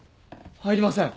入りません。